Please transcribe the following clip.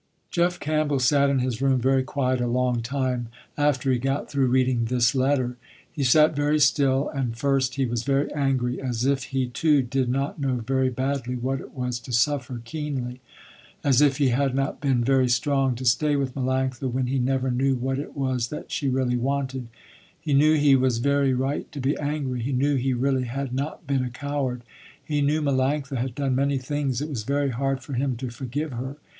Jeff Campbell sat in his room, very quiet, a long time, after he got through reading this letter. He sat very still and first he was very angry. As if he, too, did not know very badly what it was to suffer keenly. As if he had not been very strong to stay with Melanctha when he never knew what it was that she really wanted. He knew he was very right to be angry, he knew he really had not been a coward. He knew Melanctha had done many things it was very hard for him to forgive her.